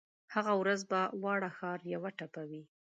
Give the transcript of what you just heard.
هغه ورځ به واړه ښار یوه ټپه وي